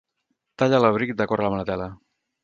Talla l'abric d'acord amb la tela.